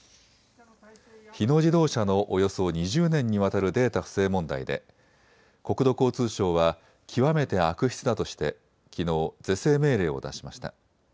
日野自動車のおよそ２０年にわたるデータ不正問題で、国土交通省は極めて悪質だとしてきのう、是正命令を出しました。